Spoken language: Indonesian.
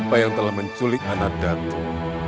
siapa yang telah menculik anak datuk